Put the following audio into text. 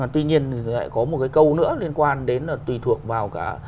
tuy nhiên lại có một cái câu nữa liên quan đến là tùy thuộc vào cả